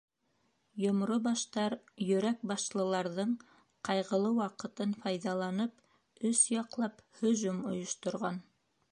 Йомро баштар Йөрәк башлыларҙың ҡайғылы ваҡытын файҙаланып, өс яҡлап һөжүм ойошторған.